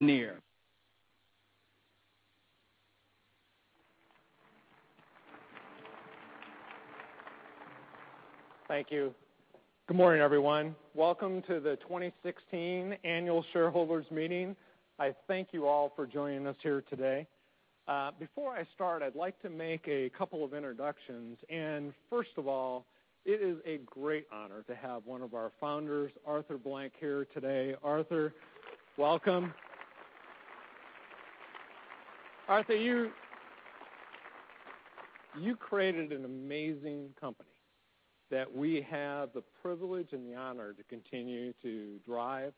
Thank you. Good morning, everyone. Welcome to the 2016 Annual Shareholders Meeting. I thank you all for joining us here today. Before I start, I'd like to make a couple of introductions. First of all, it is a great honor to have one of our founders, Arthur Blank, here today. Arthur, welcome. Arthur, you created an amazing company that we have the privilege and the honor to continue to drive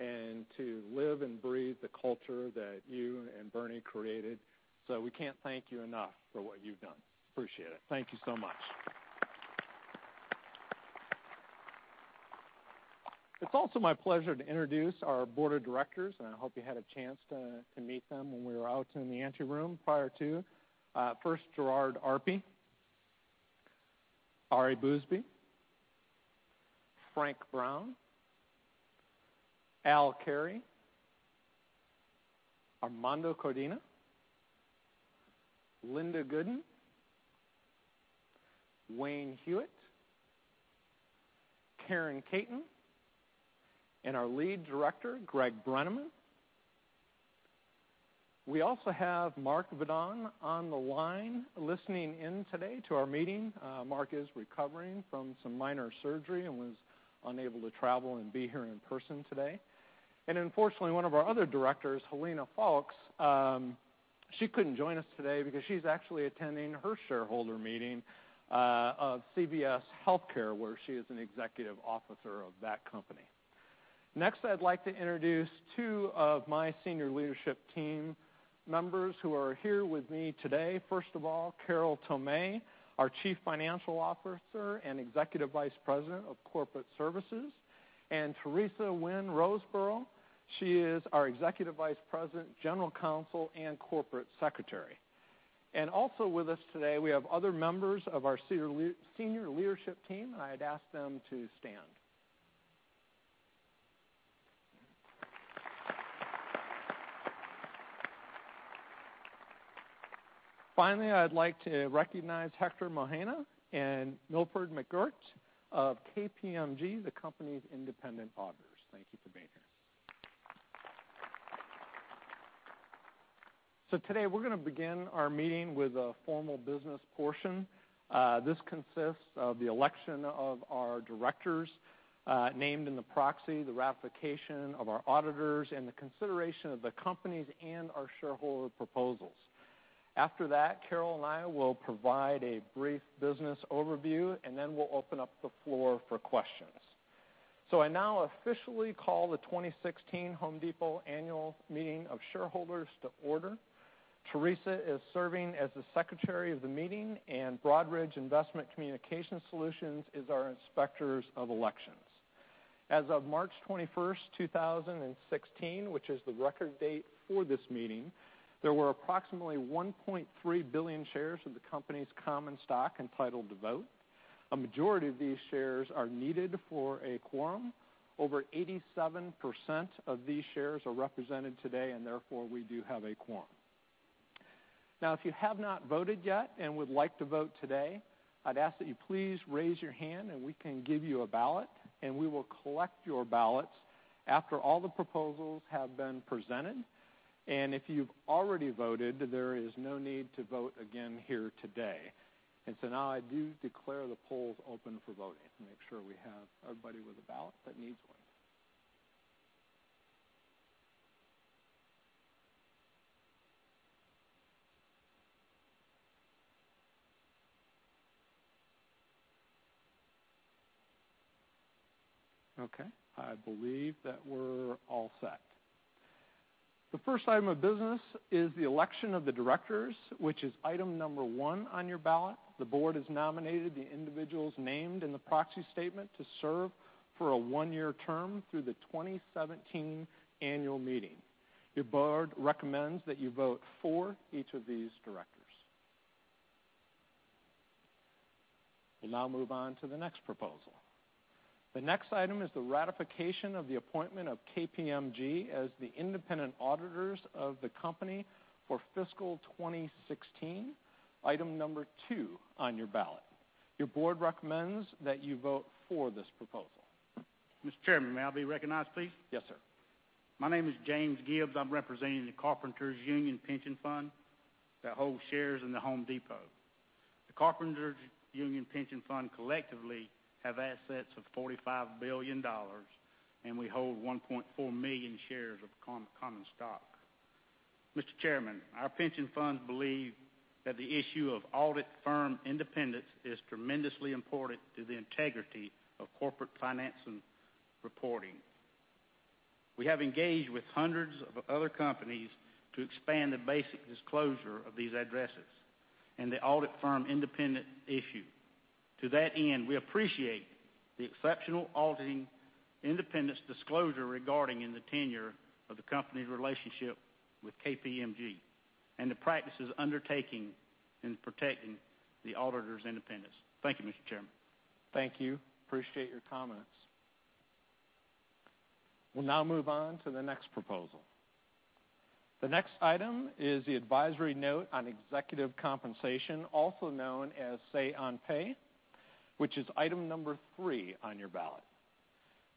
and to live and breathe the culture that you and Bernie created. We can't thank you enough for what you've done. Appreciate it. Thank you so much. It's also my pleasure to introduce our Board of Directors, and I hope you had a chance to meet them when we were out in the anteroom prior to. First, Gerard Arpey, Ari Bousbib, Frank Brown, Al Carey, Armando Codina, Linda Gooden, Wayne Huizenga, Karen Katen, and our Lead Director, Greg Brenneman. We also have Mark Vadon on the line listening in today to our meeting. Mark is recovering from some minor surgery and was unable to travel and be here in person today. Unfortunately, one of our other directors, Helena Foulkes, she couldn't join us today because she's actually attending her shareholder meeting of CVS Health, where she is an Executive Officer of that company. Next, I'd like to introduce two of my senior leadership team members who are here with me today. First of all, Carol Tomé, our Chief Financial Officer and Executive Vice President of Corporate Services, and Teresa Wynn Roseborough. She is our Executive Vice President, General Counsel, and Corporate Secretary. Also with us today, we have other members of our senior leadership team. I'd ask them to stand. Finally, I'd like to recognize Hector Mojena and Milford McGirt of KPMG, the company's independent auditors. Thank you for being here. Today, we're going to begin our meeting with a formal business portion. This consists of the election of our Directors named in the proxy, the ratification of our auditors, and the consideration of the company's and our shareholder proposals. After that, Carol and I will provide a brief business overview, and then we'll open up the floor for questions. I now officially call The Home Depot 2016 Annual Meeting of Shareholders to order. Teresa is serving as the Secretary of the Meeting, and Broadridge Investor Communication Solutions is our inspectors of elections. As of March 21st, 2016, which is the record date for this meeting, there were approximately 1.3 billion shares of the company's common stock entitled to vote. A majority of these shares are needed for a quorum. Over 87% of these shares are represented today, therefore, we do have a quorum. If you have not voted yet and would like to vote today, I'd ask that you please raise your hand and we can give you a ballot, and we will collect your ballots after all the proposals have been presented. If you've already voted, there is no need to vote again here today. Now I do declare the polls open for voting. Make sure we have everybody with a ballot that needs one. Okay, I believe that we're all set. The first item of business is the election of the directors, which is item number one on your ballot. The board has nominated the individuals named in the proxy statement to serve for a one-year term through the 2017 annual meeting. Your board recommends that you vote for each of these directors. We'll now move on to the next proposal. The next item is the ratification of the appointment of KPMG as the independent auditors of the company for fiscal 2016, item number two on your ballot. Your board recommends that you vote for this proposal. Mr. Chairman, may I be recognized, please? Yes, sir. My name is James Gibbs. I'm representing the Carpenters Union Pension Fund that holds shares in The Home Depot. The Carpenters Union Pension Fund collectively have assets of $45 billion, and we hold 1.4 million shares of common stock. Mr. Chairman, our pension funds believe that the issue of audit firm independence is tremendously important to the integrity of corporate finance and reporting. We have engaged with hundreds of other companies to expand the basic disclosure of these addresses and the audit firm independence issue. To that end, we appreciate the exceptional auditing independence disclosure regarding in the tenure of the company's relationship with KPMG and the practices undertaking in protecting the auditor's independence. Thank you, Mr. Chairman. Thank you. Appreciate your comments. We will now move on to the next proposal. The next item is the advisory note on executive compensation, also known as Say on Pay, which is item 3 on your ballot.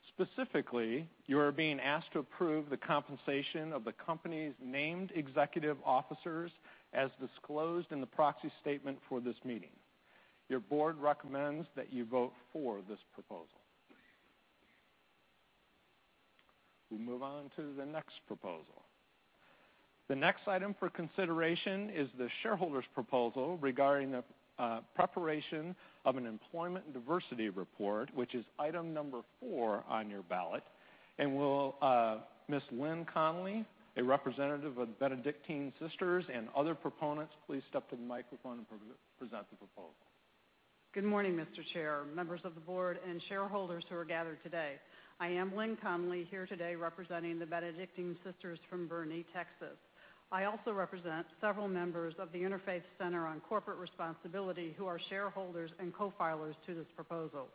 Specifically, you are being asked to approve the compensation of the company's named executive officers as disclosed in the proxy statement for this meeting. Your board recommends that you vote for this proposal. We move on to the next proposal. The next item for consideration is the shareholders' proposal regarding the preparation of an employment diversity report, which is item 4 on your ballot. Will Ms. Lynn Conley, a representative of the Benedictine Sisters, and other proponents please step to the microphone and present the proposal? Good morning, Mr. Chair, members of the board, and shareholders who are gathered today. I am Lynn Conley, here today representing the Benedictine Sisters from Boerne, Texas. I also represent several members of the Interfaith Center on Corporate Responsibility, who are shareholders and co-filers to this proposal.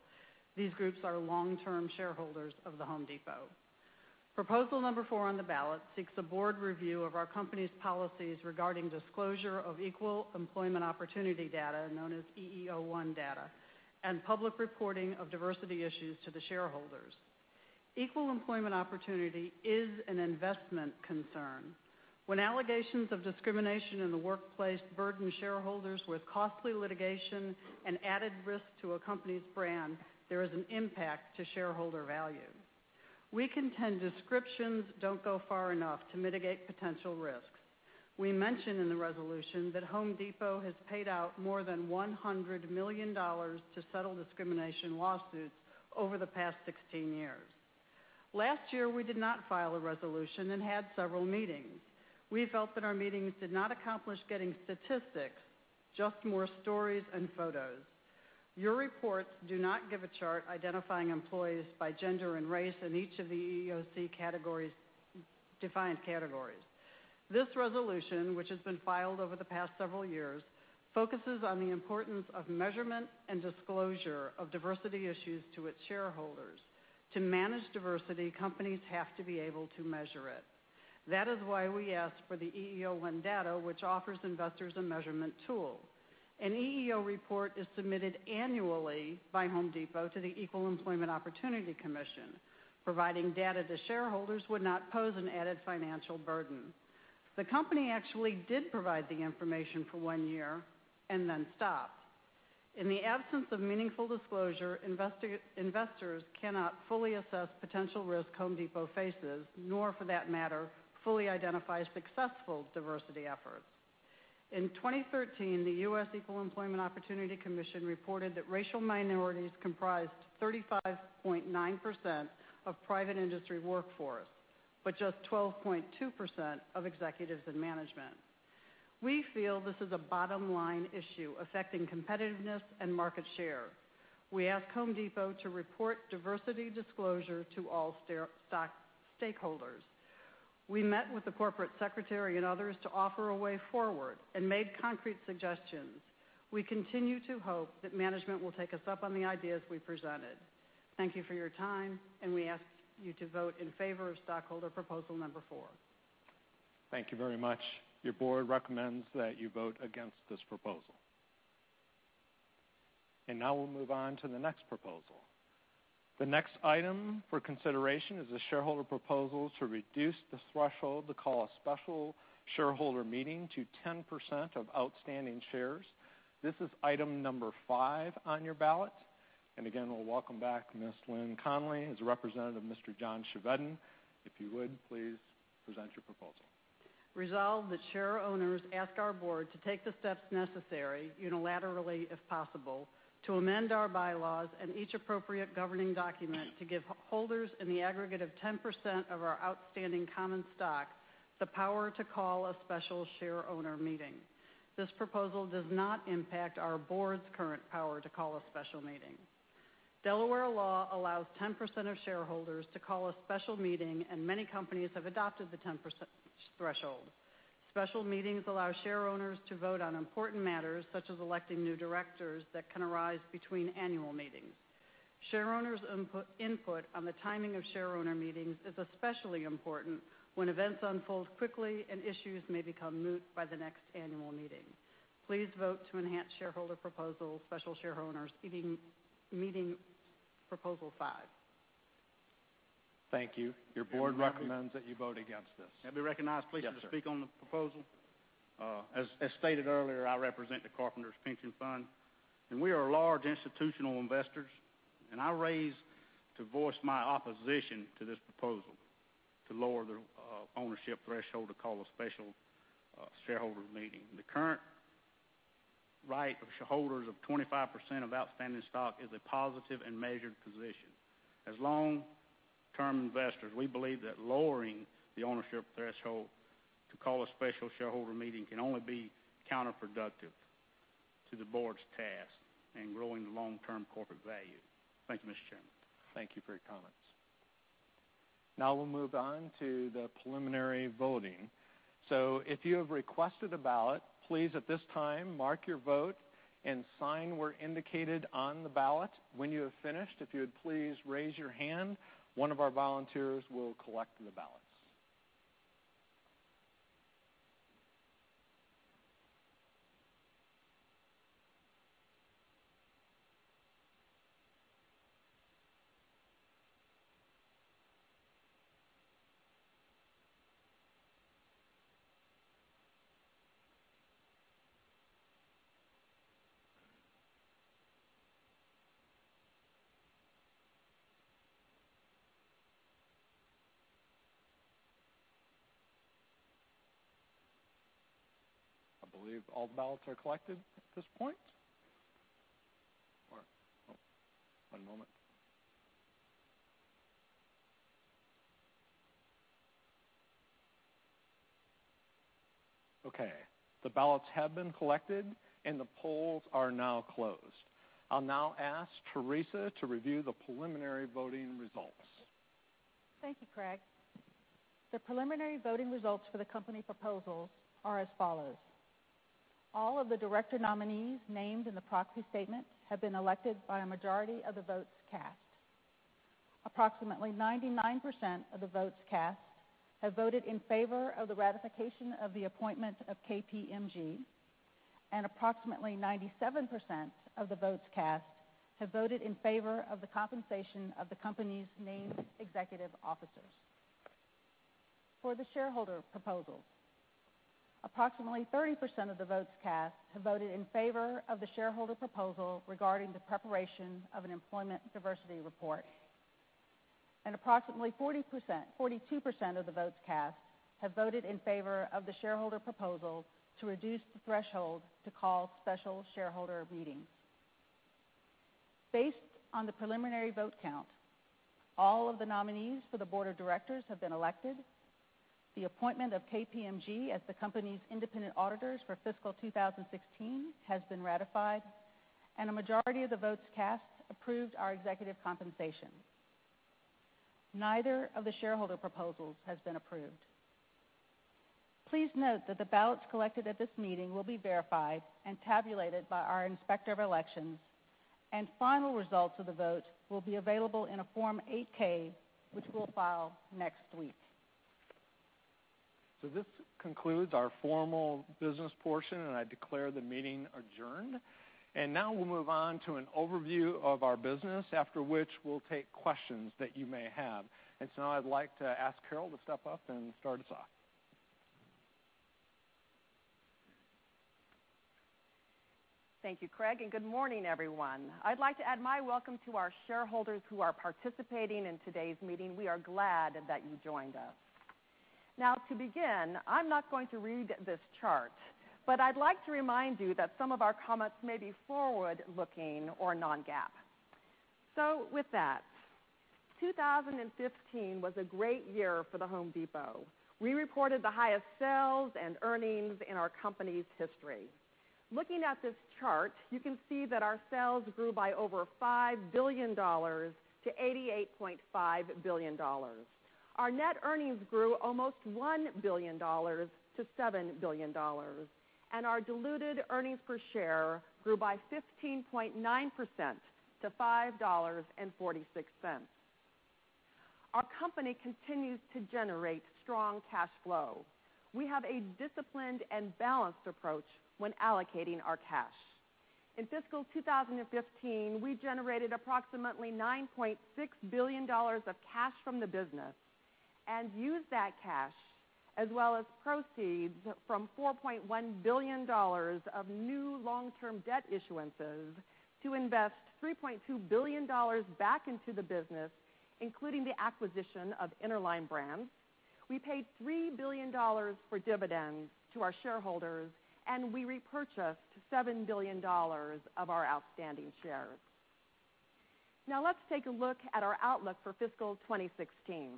These groups are long-term shareholders of The Home Depot. Proposal 4 on the ballot seeks a board review of our company's policies regarding disclosure of equal employment opportunity data, known as EEO-1 data, and public reporting of diversity issues to the shareholders. Equal employment opportunity is an investment concern. When allegations of discrimination in the workplace burden shareholders with costly litigation and added risk to a company's brand, there is an impact to shareholder value. We contend descriptions don't go far enough to mitigate potential risks. We mention in the resolution that Home Depot has paid out more than $100 million to settle discrimination lawsuits over the past 16 years. Last year, we did not file a resolution and had several meetings. We felt that our meetings did not accomplish getting statistics, just more stories and photos. Your reports do not give a chart identifying employees by gender and race in each of the EEOC defined categories. This resolution, which has been filed over the past several years, focuses on the importance of measurement and disclosure of diversity issues to its shareholders. To manage diversity, companies have to be able to measure it. That is why we ask for the EEO-1 data, which offers investors a measurement tool. An EEO report is submitted annually by Home Depot to the Equal Employment Opportunity Commission. Providing data to shareholders would not pose an added financial burden. The company actually did provide the information for one year and then stopped. In the absence of meaningful disclosure, investors cannot fully assess potential risk Home Depot faces, nor for that matter, fully identify successful diversity efforts. In 2013, the U.S. Equal Employment Opportunity Commission reported that racial minorities comprised 35.9% of private industry workforce, but just 12.2% of executives and management. We feel this is a bottom-line issue affecting competitiveness and market share. We ask Home Depot to report diversity disclosure to all stakeholders. We met with the Corporate Secretary and others to offer a way forward and made concrete suggestions. We continue to hope that management will take us up on the ideas we presented. Thank you for your time. We ask you to vote in favor of stockholder proposal 4. Thank you very much. Your board recommends that you vote against this proposal. Now we'll move on to the next proposal. The next item for consideration is the shareholder proposal to reduce the threshold to call a special shareholder meeting to 10% of outstanding shares. This is item number five on your ballot. Again, we'll welcome back Ms. Lynn Conley as a representative of Mr. John Chevedden. If you would, please present your proposal. Resolved that share owners ask our board to take the steps necessary, unilaterally if possible, to amend our bylaws and each appropriate governing document to give holders in the aggregate of 10% of our outstanding common stock the power to call a special shareowner meeting. This proposal does not impact our board's current power to call a special meeting. Delaware law allows 10% of shareholders to call a special meeting. Many companies have adopted the 10% threshold. Special meetings allow shareowners to vote on important matters, such as electing new directors, that can arise between annual meetings. Shareowners' input on the timing of shareowner meetings is especially important when events unfold quickly and issues may become moot by the next annual meeting. Please vote to enhance shareholder proposal special shareowners meeting proposal five. Thank you. Your board recommends that you vote against this. May I be recognized? Yes, sir Please, to speak on the proposal? As stated earlier, I represent the Carpenters Pension Fund, we are a large institutional investor. I raise to voice my opposition to this proposal to lower the ownership threshold to call a special shareholder meeting. The current right of shareholders of 25% of outstanding stock is a positive and measured position. As long-term investors, we believe that lowering the ownership threshold to call a special shareholder meeting can only be counterproductive to the board's task in growing the long-term corporate value. Thank you, Mr. Chairman. Thank you for your comments. Now we'll move on to the preliminary voting. If you have requested a ballot, please at this time mark your vote and sign where indicated on the ballot. When you have finished, if you would please raise your hand, one of our volunteers will collect the ballots. I believe all the ballots are collected at this point. One moment. Okay. The ballots have been collected and the polls are now closed. I'll now ask Teresa to review the preliminary voting results. Thank you, Craig. The preliminary voting results for the company proposals are as follows. All of the director nominees named in the proxy statement have been elected by a majority of the votes cast. Approximately 99% of the votes cast have voted in favor of the ratification of the appointment of KPMG, approximately 97% of the votes cast have voted in favor of the compensation of the company's named executive officers. For the shareholder proposals, approximately 30% of the votes cast have voted in favor of the shareholder proposal regarding the preparation of an employment diversity report. Approximately 42% of the votes cast have voted in favor of the shareholder proposal to reduce the threshold to call special shareholder meetings. Based on the preliminary vote count, all of the nominees for the board of directors have been elected, the appointment of KPMG as the company's independent auditors for fiscal 2016 has been ratified, and a majority of the votes cast approved our executive compensation. Neither of the shareholder proposals has been approved. Please note that the ballots collected at this meeting will be verified and tabulated by our Inspector of Elections, and final results of the vote will be available in a Form 8-K, which we'll file next week. This concludes our formal business portion, and I declare the meeting adjourned. Now we'll move on to an overview of our business, after which we'll take questions that you may have. Now I'd like to ask Carol to step up and start us off. Thank you, Craig, and good morning, everyone. I'd like to add my welcome to our shareholders who are participating in today's meeting. We are glad that you joined us. Now to begin, I'm not going to read this chart, but I'd like to remind you that some of our comments may be forward-looking or non-GAAP. With that, 2015 was a great year for The Home Depot. We reported the highest sales and earnings in our company's history. Looking at this chart, you can see that our sales grew by over $5 billion to $88.5 billion. Our net earnings grew almost $1 billion to $7 billion, and our diluted earnings per share grew by 15.9% to $5.46. Our company continues to generate strong cash flow. We have a disciplined and balanced approach when allocating our cash. In fiscal 2015, we generated approximately $9.6 billion of cash from the business and used that cash, as well as proceeds from $4.1 billion of new long-term debt issuances to invest $3.2 billion back into the business, including the acquisition of Interline Brands. We paid $3 billion for dividends to our shareholders, and we repurchased $7 billion of our outstanding shares. Now let's take a look at our outlook for fiscal 2016.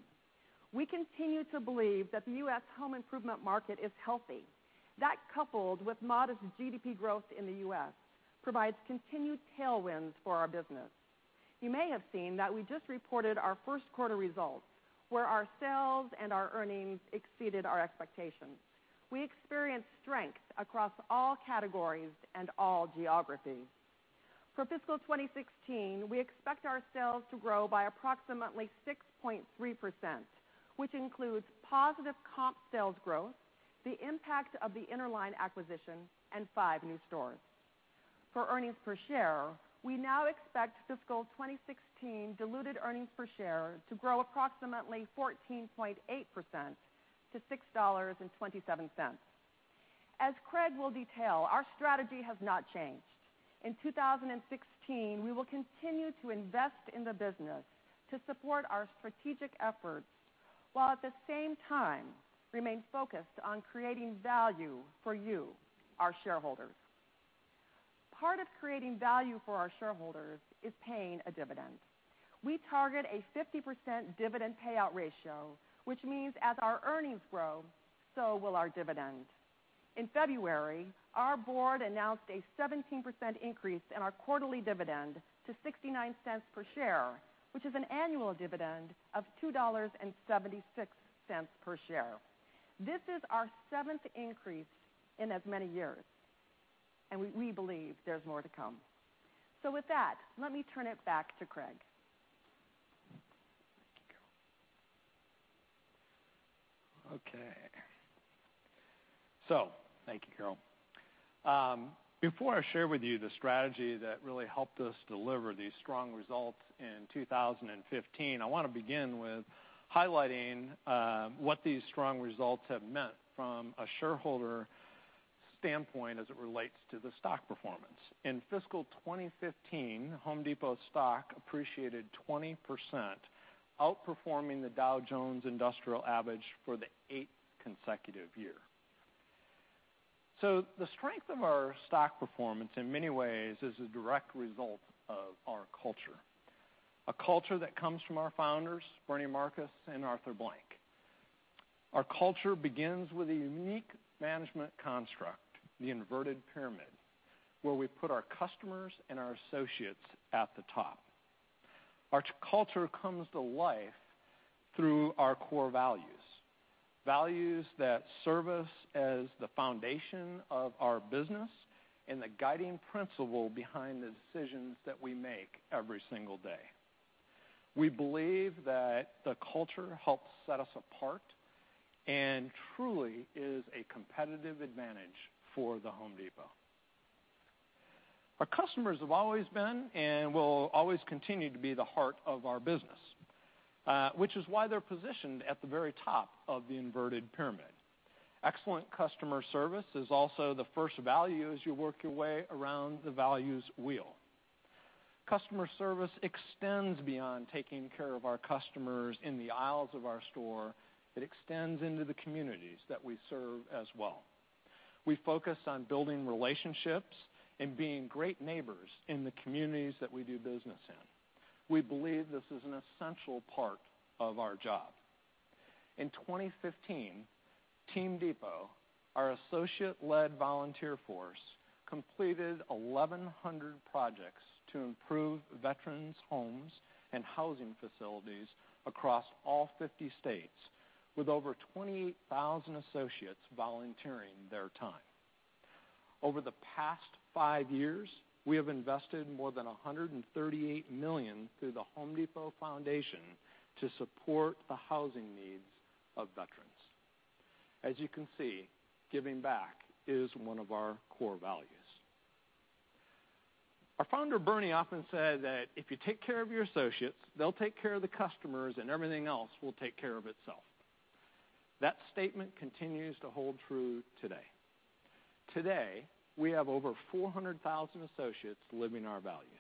We continue to believe that the U.S. home improvement market is healthy. That, coupled with modest GDP growth in the U.S., provides continued tailwinds for our business. You may have seen that we just reported our first quarter results where our sales and our earnings exceeded our expectations. We experienced strength across all categories and all geographies. For fiscal 2016, we expect our sales to grow by approximately 6.3%, which includes positive comp sales growth, the impact of the Interline acquisition, and five new stores. For earnings per share, we now expect fiscal 2016 diluted earnings per share to grow approximately 14.8% to $6.27. As Craig will detail, our strategy has not changed. In 2016, we will continue to invest in the business to support our strategic efforts, while at the same time remain focused on creating value for you, our shareholders. Part of creating value for our shareholders is paying a dividend. We target a 50% dividend payout ratio, which means as our earnings grow, so will our dividend. In February, our board announced a 17% increase in our quarterly dividend to $0.69 per share, which is an annual dividend of $2.76 per share. This is our seventh increase in as many years. We believe there's more to come. With that, let me turn it back to Craig. Thank you, Carol. Thank you, Carol. Before I share with you the strategy that really helped us deliver these strong results in 2015, I want to begin with highlighting what these strong results have meant from a shareholder standpoint as it relates to the stock performance. In fiscal 2015, The Home Depot stock appreciated 20%, outperforming the Dow Jones Industrial Average for the eighth consecutive year. The strength of our stock performance, in many ways, is a direct result of our culture, a culture that comes from our founders, Bernie Marcus and Arthur Blank. Our culture begins with a unique management construct, the inverted pyramid, where we put our customers and our associates at the top. Our culture comes to life through our core values that serve us as the foundation of our business and the guiding principle behind the decisions that we make every single day. We believe that the culture helps set us apart and truly is a competitive advantage for The Home Depot. Our customers have always been, and will always continue to be the heart of our business, which is why they're positioned at the very top of the inverted pyramid. Excellent customer service is also the first value as you work your way around the values wheel. Customer service extends beyond taking care of our customers in the aisles of our store. It extends into the communities that we serve as well. We focus on building relationships and being great neighbors in the communities that we do business in. We believe this is an essential part of our job. In 2015, Team Depot, our associate-led volunteer force, completed 1,100 projects to improve veterans' homes and housing facilities across all 50 states, with over 28,000 associates volunteering their time. Over the past five years, we have invested more than $138 million through The Home Depot Foundation to support the housing needs of veterans. As you can see, giving back is one of our core values. Our founder, Bernie, often said that if you take care of your associates, they'll take care of the customers, and everything else will take care of itself. That statement continues to hold true today. Today, we have over 400,000 associates living our values.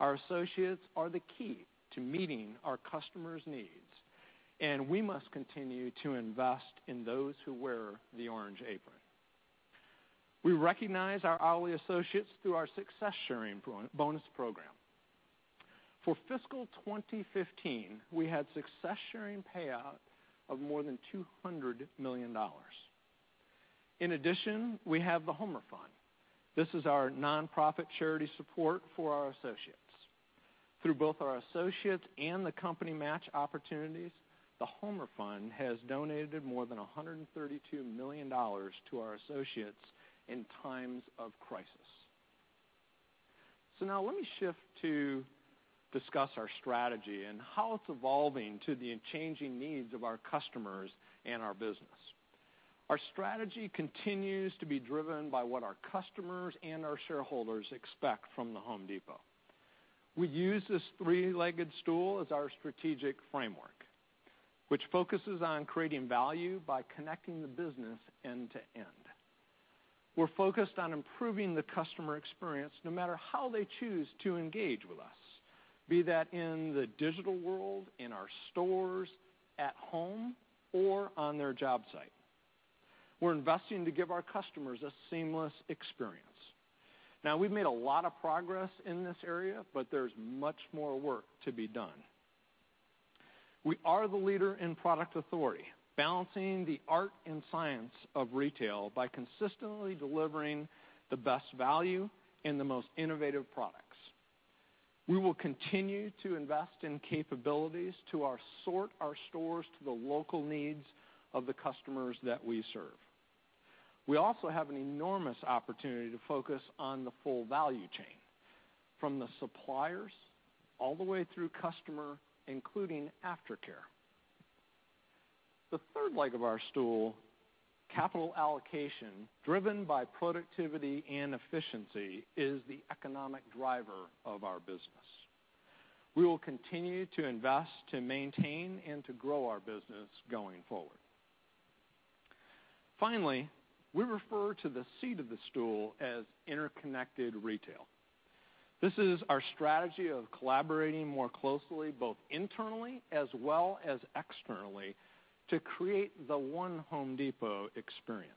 Our associates are the key to meeting our customers' needs, and we must continue to invest in those who wear the orange apron. We recognize our hourly associates through our Success Sharing bonus program. For fiscal 2015, we had Success Sharing payout of more than $200 million. In addition, we have The Homer Fund. This is our nonprofit charity support for our associates. Through both our associates and the company match opportunities, The Homer Fund has donated more than $132 million to our associates in times of crisis. Now let me shift to discuss our strategy and how it's evolving to the changing needs of our customers and our business. Our strategy continues to be driven by what our customers and our shareholders expect from The Home Depot. We use this three-legged stool as our strategic framework, which focuses on creating value by connecting the business end to end. We're focused on improving the customer experience no matter how they choose to engage with us, be that in the digital world, in our stores, at home, or on their job site. We're investing to give our customers a seamless experience. Now, we've made a lot of progress in this area, but there's much more work to be done. We are the leader in product authority, balancing the art and science of retail by consistently delivering the best value and the most innovative products. We will continue to invest in capabilities to sort our stores to the local needs of the customers that we serve. We also have an enormous opportunity to focus on the full value chain, from the suppliers all the way through customer, including aftercare. The third leg of our stool, capital allocation, driven by productivity and efficiency, is the economic driver of our business. We will continue to invest, to maintain, and to grow our business going forward. Finally, we refer to the seat of the stool as interconnected retail. This is our strategy of collaborating more closely, both internally as well as externally, to create the one Home Depot experience.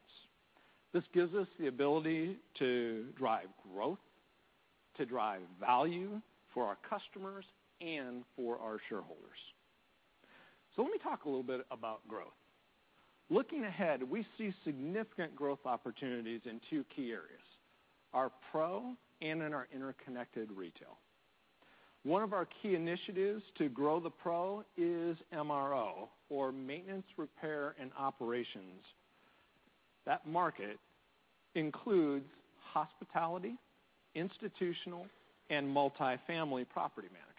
This gives us the ability to drive growth, to drive value for our customers and for our shareholders. Let me talk a little bit about growth. Looking ahead, we see significant growth opportunities in two key areas, our pro and in our interconnected retail. One of our key initiatives to grow the pro is MRO, or maintenance, repair, and operations. That market includes hospitality, institutional, and multifamily property managers.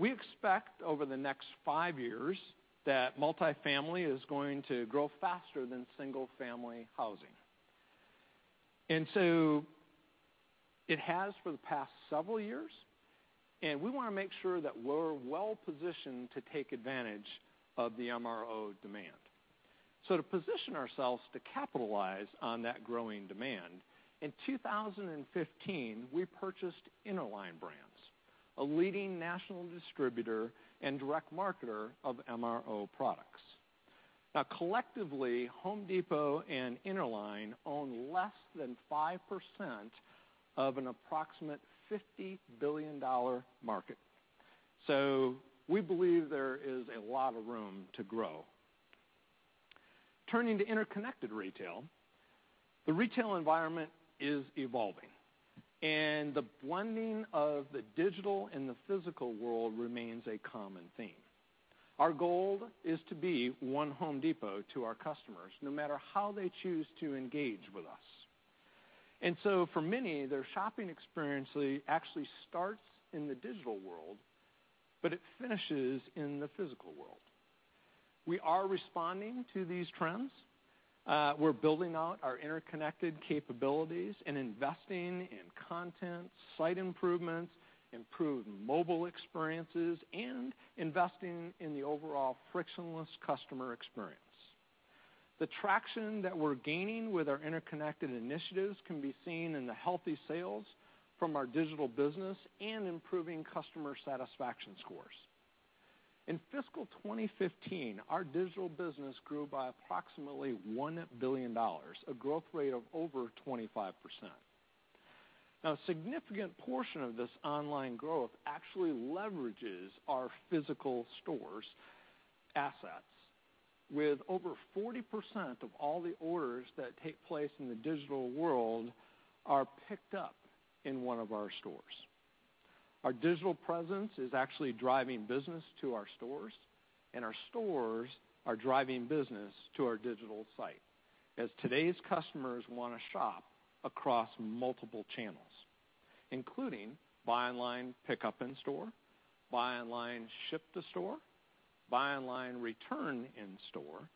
We expect over the next five years that multifamily is going to grow faster than single-family housing. It has for the past several years, and we want to make sure that we're well-positioned to take advantage of the MRO demand. To position ourselves to capitalize on that growing demand, in 2015, we purchased Interline Brands, a leading national distributor and direct marketer of MRO products. Collectively, Home Depot and Interline own less than 5% of an approximate $50 billion market. We believe there is a lot of room to grow. Turning to interconnected retail, the retail environment is evolving, the blending of the digital and the physical world remains a common theme. Our goal is to be one Home Depot to our customers, no matter how they choose to engage with us. For many, their shopping experience actually starts in the digital world, but it finishes in the physical world. We are responding to these trends. We're building out our interconnected capabilities and investing in content, site improvements, improved mobile experiences, and investing in the overall frictionless customer experience. The traction that we're gaining with our interconnected initiatives can be seen in the healthy sales from our digital business and improving customer satisfaction scores. In fiscal 2015, our digital business grew by approximately $1 billion, a growth rate of over 25%. A significant portion of this online growth actually leverages our physical stores' assets, with over 40% of all the orders that take place in the digital world are picked up in one of our stores. Our digital presence is actually driving business to our stores, and our stores are driving business to our digital site, as today's customers want to shop across multiple channels, including buy online, pickup in store, buy online, ship to store, buy online, return in store.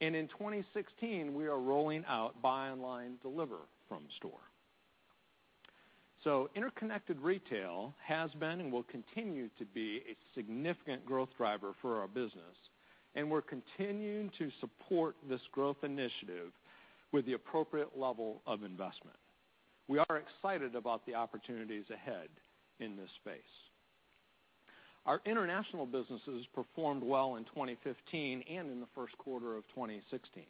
In 2016, we are rolling out buy online, deliver from store. Interconnected retail has been and will continue to be a significant growth driver for our business, and we're continuing to support this growth initiative with the appropriate level of investment. We are excited about the opportunities ahead in this space. Our international businesses performed well in 2015 and in the first quarter of 2016.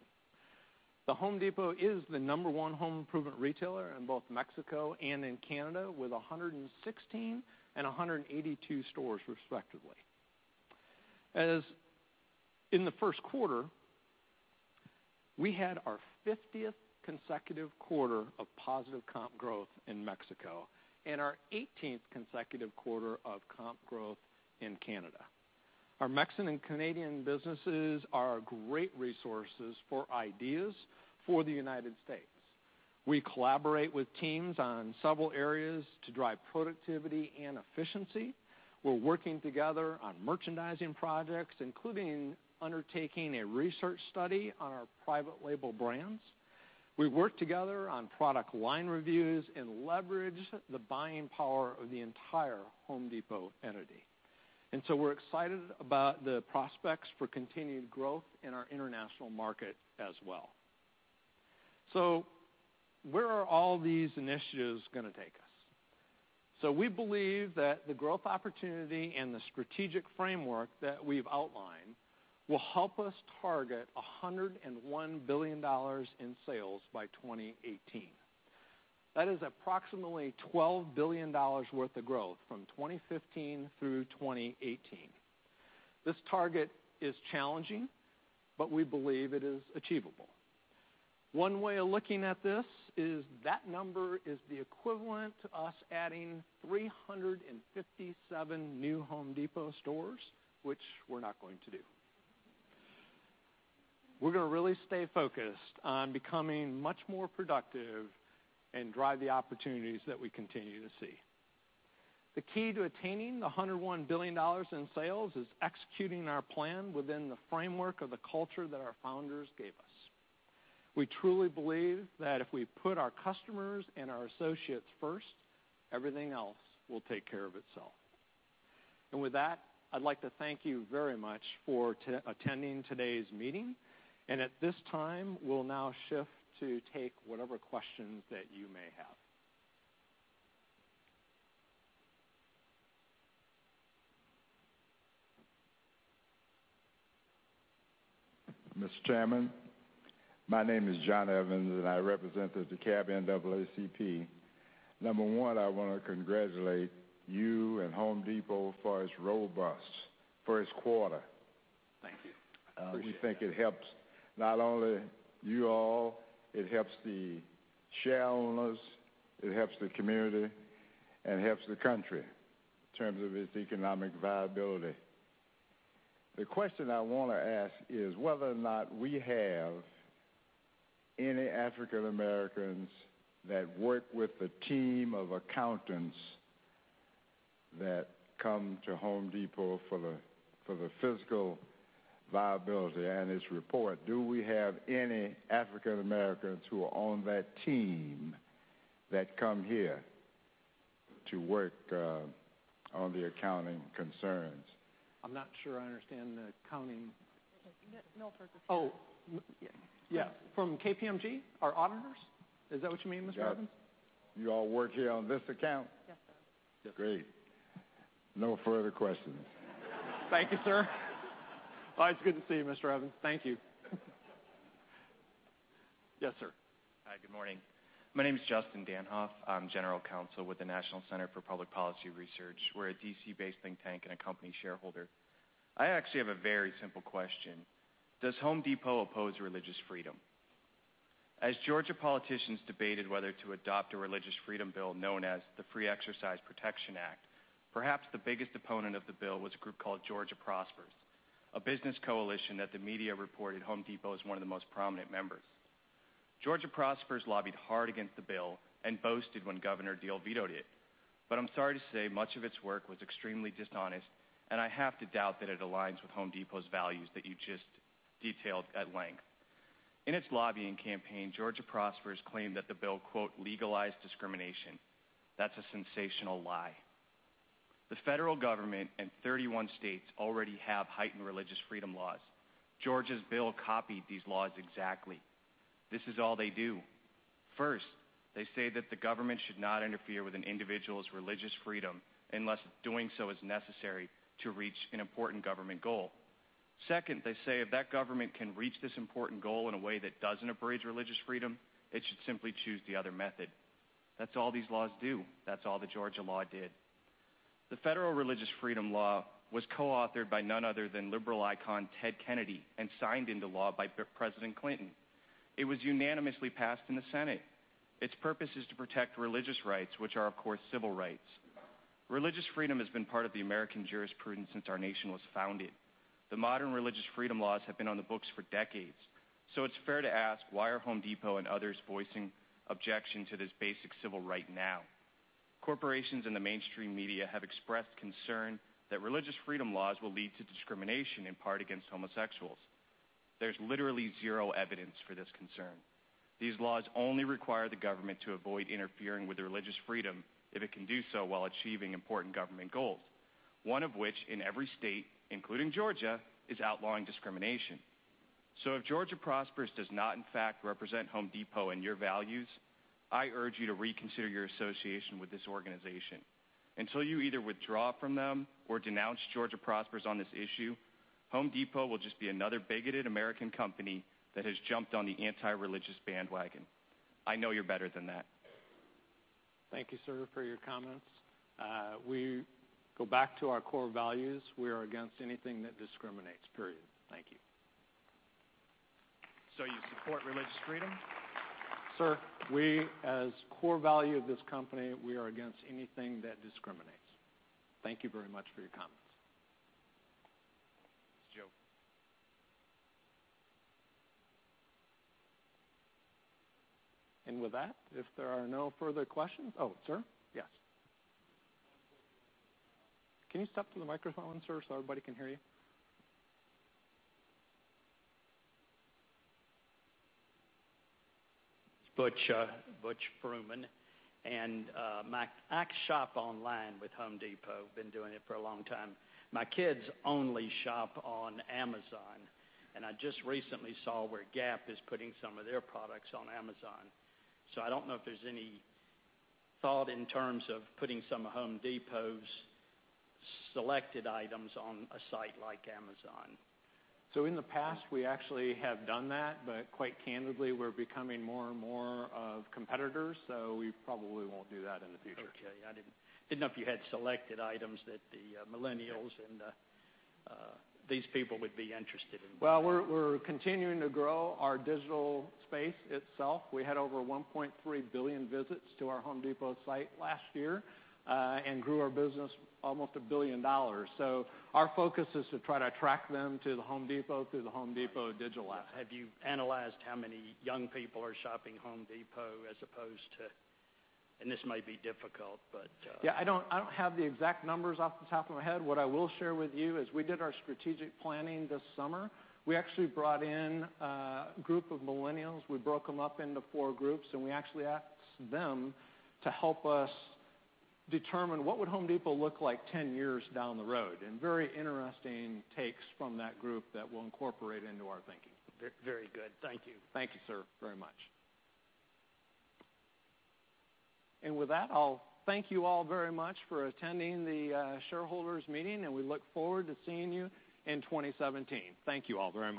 The Home Depot is the number 1 home improvement retailer in both Mexico and in Canada, with 116 and 182 stores respectively. In the first quarter, we had our 50th consecutive quarter of positive comp growth in Mexico and our 18th consecutive quarter of comp growth in Canada. Our Mexican and Canadian businesses are great resources for ideas for the United States. We collaborate with teams on several areas to drive productivity and efficiency. We're working together on merchandising projects, including undertaking a research study on our private label brands. We work together on product line reviews and leverage the buying power of the entire Home Depot entity. We're excited about the prospects for continued growth in our international market as well. Where are all these initiatives going to take us? We believe that the growth opportunity and the strategic framework that we've outlined will help us target $101 billion in sales by 2018. That is approximately $12 billion worth of growth from 2015 through 2018. This target is challenging, but we believe it is achievable. One way of looking at this is that number is the equivalent to us adding 357 new Home Depot stores, which we're not going to do. We're going to really stay focused on becoming much more productive and drive the opportunities that we continue to see. The key to attaining the $101 billion in sales is executing our plan within the framework of the culture that our founders gave us. We truly believe that if we put our customers and our associates first, everything else will take care of itself. With that, I'd like to thank you very much for attending today's meeting, at this time, we'll now shift to take whatever questions that you may have. Mr. Chairman, my name is John Evans, I represent the DeKalb NAACP. Number one, I want to congratulate you and The Home Depot for its robust first quarter. Thank you. Appreciate it. We think it helps not only you all, it helps the shareholders, it helps the community, and helps the country in terms of its economic viability. The question I want to ask is whether or not we have any African Americans that work with the team of accountants that come to The Home Depot for the fiscal viability and its report. Do we have any African Americans who are on that team that come here to work on the accounting concerns? I'm not sure I understand the accounting. Milford's asking. Oh. Yeah. From KPMG, our auditors? Is that what you mean, Mr. Evans? Yep. You all work here on this account? Yes, sir. Great. No further questions. Thank you, sir. Oh, it's good to see you, Mr. Evans. Thank you. Yes, sir. Hi, good morning. My name is Justin Danhof. I'm general counsel with the National Center for Public Policy Research. We're a D.C.-based think tank and a company shareholder. I actually have a very simple question. Does The Home Depot oppose religious freedom? As Georgia politicians debated whether to adopt a religious freedom bill known as the Free Exercise Protection Act, perhaps the biggest opponent of the bill was a group called Georgia Prospers, a business coalition that the media reported The Home Depot as one of the most prominent members. Georgia Prospers lobbied hard against the bill and boasted when Governor Deal vetoed it. I'm sorry to say, much of its work was extremely dishonest, and I have to doubt that it aligns with The Home Depot's values that you just detailed at length. In its lobbying campaign, Georgia Prospers claimed that the bill, quote, "legalized discrimination." That's a sensational lie. The federal government and 31 states already have heightened religious freedom laws. Georgia's bill copied these laws exactly. This is all they do. First, they say that the government should not interfere with an individual's religious freedom unless doing so is necessary to reach an important government goal. Second, they say if that government can reach this important goal in a way that doesn't abridge religious freedom, it should simply choose the other method. That's all these laws do. That's all the Georgia law did. The federal religious freedom law was co-authored by none other than liberal icon Ted Kennedy and signed into law by President Clinton. It was unanimously passed in the Senate. Its purpose is to protect religious rights, which are, of course, civil rights. Religious freedom has been part of the American jurisprudence since our nation was founded. The modern religious freedom laws have been on the books for decades. It's fair to ask, why are Home Depot and others voicing objection to this basic civil right now? Corporations in the mainstream media have expressed concern that religious freedom laws will lead to discrimination, in part against homosexuals. There's literally zero evidence for this concern. These laws only require the government to avoid interfering with the religious freedom if it can do so while achieving important government goals. One of which, in every state, including Georgia, is outlawing discrimination. If Georgia Prospers does not in fact represent Home Depot and your values, I urge you to reconsider your association with this organization. Until you either withdraw from them or denounce Georgia Prospers on this issue, Home Depot will just be another bigoted American company that has jumped on the anti-religious bandwagon. I know you're better than that. Thank you, sir, for your comments. We go back to our core values. We are against anything that discriminates, period. Thank you. You support religious freedom? Sir, we, as core value of this company, we are against anything that discriminates. Thank you very much for your comments. [inaudible] With that, if there are no further questions Oh, sir. Yes. Can you step to the microphone, sir, so everybody can hear you? It's Butch. Butch Fruman. I shop online with The Home Depot, been doing it for a long time. My kids only shop on Amazon, I just recently saw where Gap is putting some of their products on Amazon. I don't know if there's any thought in terms of putting some of The Home Depot's selected items on a site like Amazon. In the past, we actually have done that, quite candidly, we're becoming more and more of competitors, we probably won't do that in the future. Okay. I didn't know if you had selected items that the millennials and these people would be interested in. Well, we're continuing to grow our digital space itself. We had over 1.3 billion visits to our The Home Depot site last year, grew our business almost $1 billion. Our focus is to try to attract them to The Home Depot through The Home Depot digital app. Have you analyzed how many young people are shopping The Home Depot as opposed to? Yeah, I don't have the exact numbers off the top of my head. What I will share with you is we did our strategic planning this summer. We actually brought in a group of millennials. We broke them up into four groups, we actually asked them to help us determine what would The Home Depot look like 10 years down the road, very interesting takes from that group that we'll incorporate into our thinking. Very good. Thank you. Thank you, sir, very much. With that, I'll thank you all very much for attending the shareholders meeting, we look forward to seeing you in 2017. Thank you all very much.